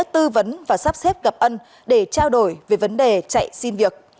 tư vấn và sắp xếp gặp ân để trao đổi về vấn đề chạy xin việc